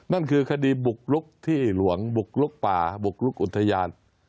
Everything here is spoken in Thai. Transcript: นั่นคือคดีบุกลุกที่หลวงบุกลุกป่าบุกลุกอุทยาน